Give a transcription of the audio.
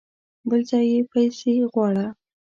بل ځای يې پسې غواړه!